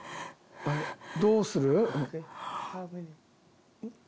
どうする？